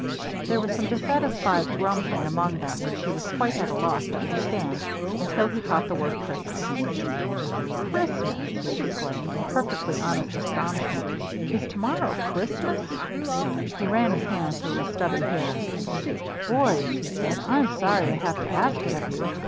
There was some dissatisfied grumbling among them which he was quite at a loss to understand until he caught the word "Christmas." "Christmas!" he exclaimed, in perfectly honest astonishment. "Is to morrow Christmas?" He ran his hand through his stubby hair. "Boys," he said, "I'm sorry to have to ask it of you.